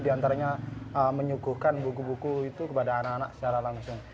diantaranya menyuguhkan buku buku itu kepada anak anak secara langsung